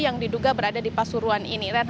yang diduga berada di pasuruan ini